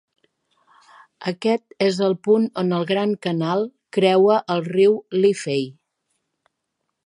Aquest és el punt on el Gran Canal creua el riu Liffey.